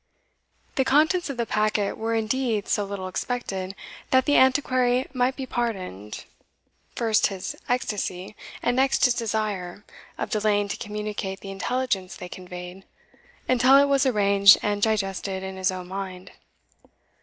The contents of the packet were indeed so little expected, that the Antiquary might be pardoned, first his ecstasy, and next his desire of delaying to communicate the intelligence they conveyed, until it was arranged and digested in his own mind.